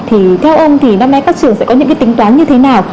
thì theo ông thì năm nay các trường sẽ có những cái tính toán như thế nào